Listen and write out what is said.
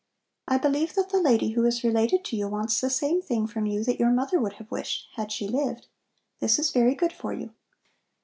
"I believe that the lady who is related to you wants the same thing from you that your mother would have wished had she lived. This is very good for you.